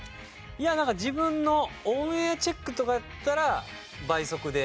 いやなんか自分のオンエアチェックとかだったら倍速で。